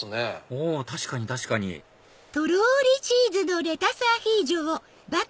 あ確かに確かにうん！